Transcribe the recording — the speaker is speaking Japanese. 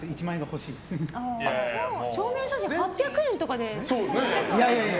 証明写真８００円とかで。